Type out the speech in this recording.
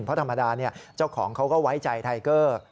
เพราะธรรมดาเจ้าของเขาก็ไว้ใจไทเกอร์